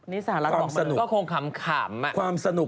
นี่สหรัฐบอกมันก็คงขำความสนุกความสนุก